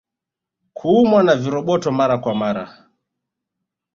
Kuumwa na viroboto Mara kwa mara